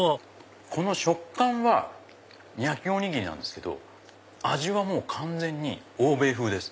この食感は焼きおにぎりなんですけど味はもう完全に欧米風です。